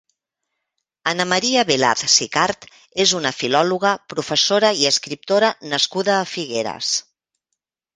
Anna Maria Velaz Sicart és una filòloga, professora i escriptora nascuda a Figueres.